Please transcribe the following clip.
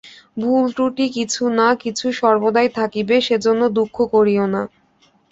ভুল-ত্রুটি কিছু না কিছু সর্বদাই থাকিবে, সেজন্য দুঃখ করিও না।